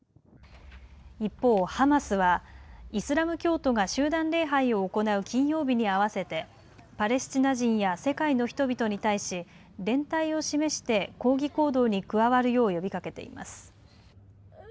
一方、ハマスはイスラム教徒が集団礼拝を行う金曜日に合わせてパレスチナ人や世界の人々に対し連帯を示して抗議行動に加わるよう呼びかけています。